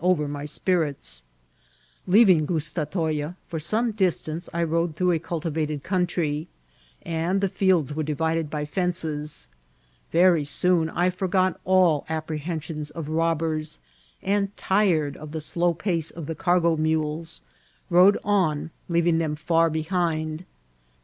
187 over my spirits. Leaving Gustatoya, for some distance I rode tlucough a onltivated oomntry, and the fields were divided by fences. Very soon I forgot all apprehen^ sions of robbersy and, tired of the slow pace of tfie car* go muleS) rode on, leaving them £ur behind.